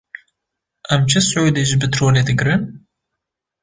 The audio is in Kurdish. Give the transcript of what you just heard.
Em çi sûdê ji petrolê digirin?